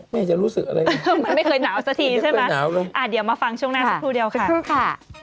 แม่จะรู้สึกอะไรกันไม่เคยหนาวเลยอ่าเดี๋ยวมาฟังช่วงหน้าสักครู่เดียวค่ะ